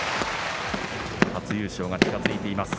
初優勝が近づいています。